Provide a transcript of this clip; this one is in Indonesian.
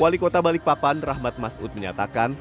wali kota balikpapan rahmat masud menyatakan